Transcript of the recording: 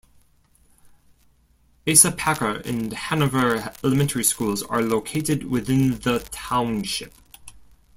Asa Packer and Hanover elementary schools are located within the Township.